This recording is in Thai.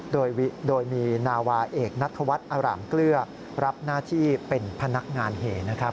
โดยมีนาวาเอกนัทวัฒน์อร่ามเกลือรับหน้าที่เป็นพนักงานเหนะครับ